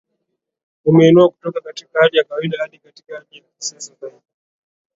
Umeinua kutoka katika hali ya kawaida hadi katika hali ya kisasa zaidi